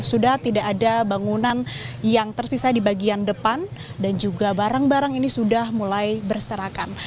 sudah tidak ada bangunan yang tersisa di bagian depan dan juga barang barang ini sudah mulai berserakan